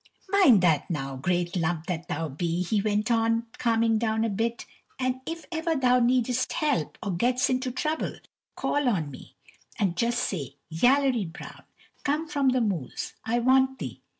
"Mind that now, great lump that thou be," he went on, calming down a bit, "and if ever thou need'st help, or get'st into trouble, call on me and just say, 'Yallery Brown, come from the mools, I want thee!'